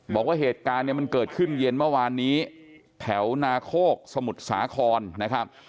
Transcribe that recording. บอกว่าเหตุการณ์เนี่ยมันเกิดขึ้นเย็นเมื่อวานนี้แถวนาโคกสมุทรสาครนะครับ